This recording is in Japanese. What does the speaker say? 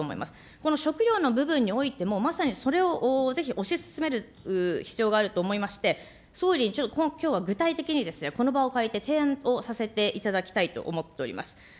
この食料の部分においてもまさにそれをぜひ推し進める必要があると思いまして、総理、ちょっときょうは具体的にですね、この場を借りて提案をさせていただきたいと思っております。